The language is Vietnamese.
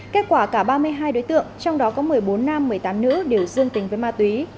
kết quả cả ba mươi hai đối tượng trong đó có một mươi bốn nam một mươi tám nữ đều dương tính với ma túy